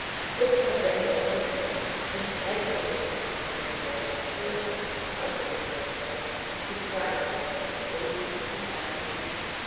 This quadrangular opening, in spite of the bosom's being very white, or just because it was very white, deprived Levin of the full use of his faculties.